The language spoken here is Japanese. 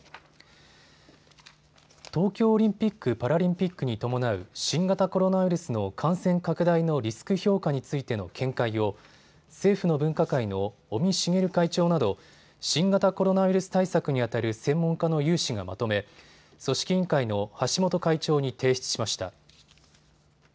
東京オリンピック・パラリンピックに伴う新型コロナウイルスの感染拡大のリスク評価についての見解を政府の分科会の尾身茂会長など新型コロナウイルス対策にあたる専門家の有志がまとめ、組織委員会の橋本会長に提出しました。